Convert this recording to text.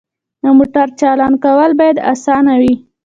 د موټر چالان کول باید اسانه وي.